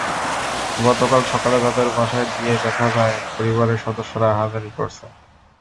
গতকাল সকালে তাঁদের বাসায় গিয়ে দেখা যায়, পরিবারের সদস্যরা আহাজারি করছেন।